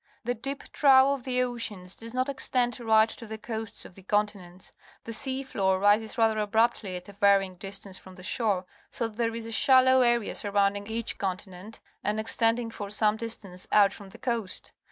The deep trough of the oceans does not extend right to the coasts of the continents. The sea floor rises rather abruptly at a^ yaryLng_ dis tanc e from the shore, so that there is a shallow area surrotmding each continent and extending for some distance out from the coast.